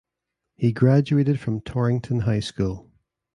He graduated from Torrington High School.